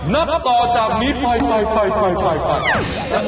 นับตัวจากนี้ไป